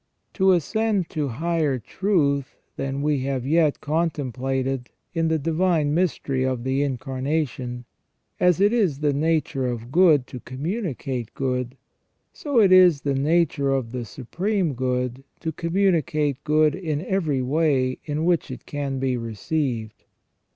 To ascend to higher truth than we have yet contemplated in the divine mystery of the Incarnation ; as it is the nature of good to communicate good, so it is the nature of the Supreme Good to communicate good in every way in which it can be received.